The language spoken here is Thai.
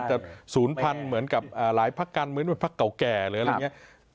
ศูนย์พันธุ์เหมือนกับหลายพักการเมืองเป็นพักเก่าแก่หรืออะไรอย่างนี้